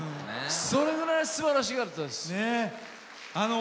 それぐらい、すばらしかったです。